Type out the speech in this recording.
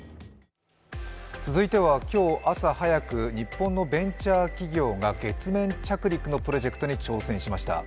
続いては、今日朝早く日本のベンチャー企業が月面着陸のプロジェクトに挑戦しました。